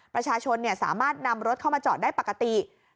ประชาชนสามารถนำรถเข้ามาจอดได้ปกติ